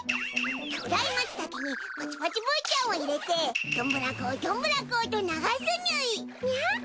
巨大マツタケにパチパチブーちゃんを入れてどんぶらこどんぶらこと流すにゅい。